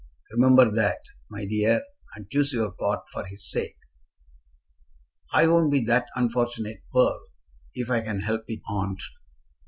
Remember that, my dear, and choose your part for his sake." "I won't be that unfortunate pearl, if I can help it, aunt."